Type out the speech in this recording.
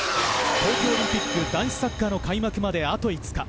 東京オリンピック男子サッカーの開幕まであと５日。